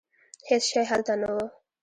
هېڅ شی هلته نه و.